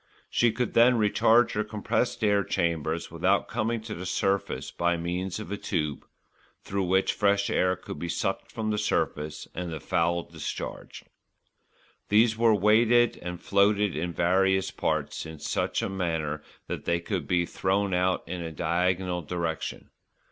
She could then recharge her compressed air chambers without coming to the surface by means of a tube, through which fresh air could be sucked from the surface, and the foul discharged. These were weighted and floated in various parts in such a manner that they could be thrown out in a diagonal direction.